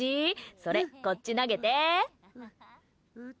それ、こっち投げて。